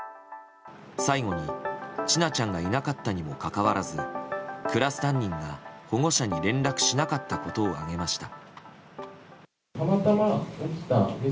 最後に、千奈ちゃんがいなかったにもかかわらずクラス担任が保護者に連絡しなかったことを挙げました。